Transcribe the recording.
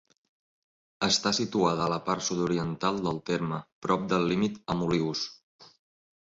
Està situada a la part sud-oriental del terme, prop del límit amb Olius.